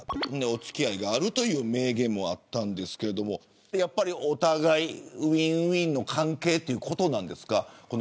お付き合いがあると明言もあったんですけどお互いウィンウィンの関係ということなんですか。